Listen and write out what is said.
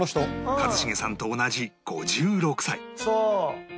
一茂さんと同じ５６歳